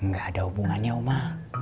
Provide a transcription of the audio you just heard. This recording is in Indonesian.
nggak ada hubungannya oma